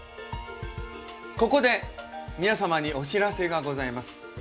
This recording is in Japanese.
ここで皆様にお知らせがございます。